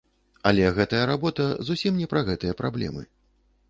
Але гэтая работа зусім не пра гэтыя праблемы!